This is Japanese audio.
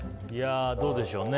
どうでしょうね。